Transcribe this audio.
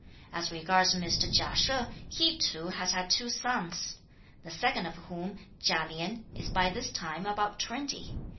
As regards Mr. Chia She, he too has had two sons; the second of whom, Chia Lien, is by this time about twenty.